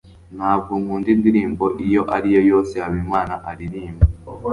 Ntabwo nkunda indirimbo iyo ari yo yose Habimana aririmba.